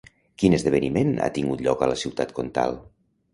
Quin esdeveniment ha tingut lloc a la Ciutat Comtal?